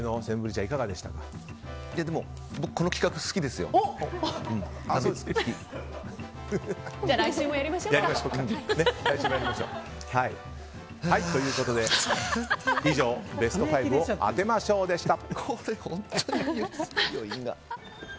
じゃあ来週もやりましょうか。ということで、以上ベスト５を当てましょう！でした。